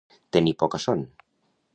Tenir poca son.